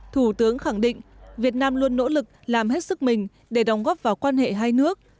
thủ tướng khẳng định việt nam luôn nỗ lực làm hết sức mình để đóng góp vào quan hệ hai nước